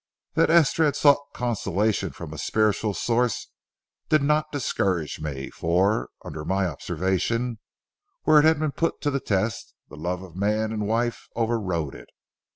That Esther had sought consolation from a spiritual source did not discourage me; for, under my observation, where it had been put to the test, the love of man and wife overrode it.